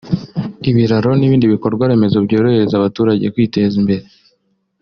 ibiraro n’ibindi bikorwa remezo byorohereza abaturage kwiteza imbere